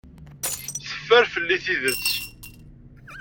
Teffer fell-i tidet.